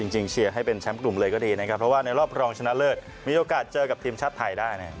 เชียร์ให้เป็นแชมป์กลุ่มเลยก็ดีนะครับเพราะว่าในรอบรองชนะเลิศมีโอกาสเจอกับทีมชาติไทยได้นะครับ